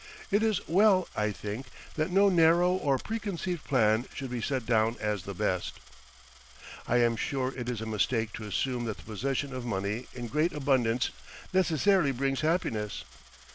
It is well, I think, that no narrow or preconceived plan should be set down as the best. I am sure it is a mistake to assume that the possession of money in great abundance necessarily brings happiness.